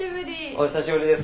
お久しぶりです。